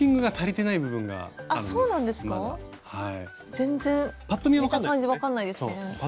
全然見た感じ分かんないですね。